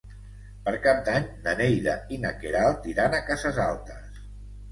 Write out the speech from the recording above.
Per Cap d'Any na Neida i na Queralt iran a Cases Altes.